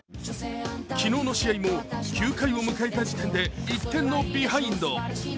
昨日の試合も９回を迎えた時点で１点のビハインド。